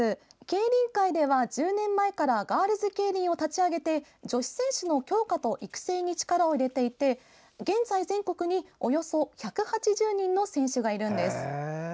競輪界では１０年前からガールズケイリンを立ち上げて女子選手の強化と育成に力を入れていて現在、全国におよそ１８０人の選手がいます。